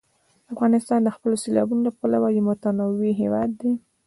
افغانستان د خپلو سیلابونو له پلوه یو متنوع هېواد دی.